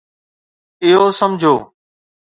اهو سمجھو